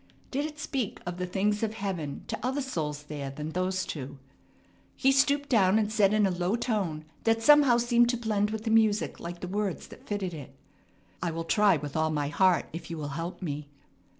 Did it speak of the things of heaven to other souls there than those two? He stooped down, and said in a low tone that somehow seemed to blend with the music like the words that fitted it, "I will try with all my heart if you will help me."